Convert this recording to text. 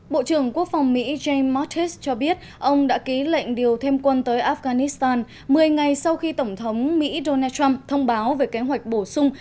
bộ trưởng quốc phòng mỹ james mattis cho biết ông đã ký lệnh điều thêm quân tới afghanistan một mươi ngày sau khi tổng thống mỹ donald trump thông báo về kế hoạch bổ sung